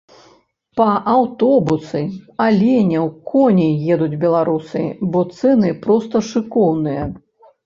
Па аўтобусы, аленяў, коней едуць беларусы, бо цэны проста шыкоўныя.